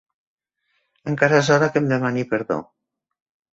Encara és hora que em demani perdó.